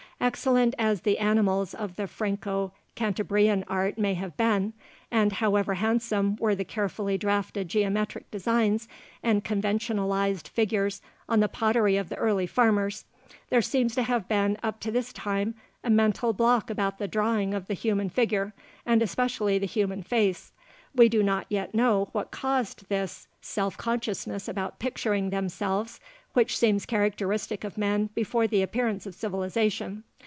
Excellent as the animals of the Franco Cantabrian art may have been (see p. 85), and however handsome were the carefully drafted geometric designs and conventionalized figures on the pottery of the early farmers, there seems to have been, up to this time, a mental block about the drawing of the human figure and especially the human face. We do not yet know what caused this self consciousness about picturing themselves which seems characteristic of men before the appearance of civilization.